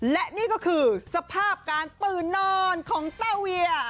และนี่ก็คือสภาพการตื่นนอนของแต้วเวีย